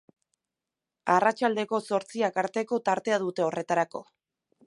Arratsaldeko zortziak arteko tartea dute horretarako.